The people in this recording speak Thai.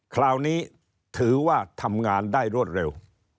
คราวนี้ถือว่าทำงานได้รวดเร็ว